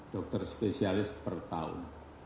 dokter spesialis per tahun